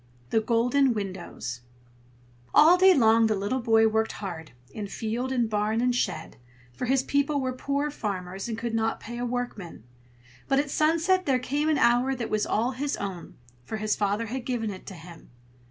THE GOLDEN WINDOWS All day long the little boy worked hard, in field and barn and shed, for his people were poor farmers, and could not pay a workman; but at sunset there came an hour that was all his own, for his father had given it to him.